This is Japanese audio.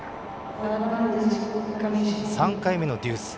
３回目のデュース。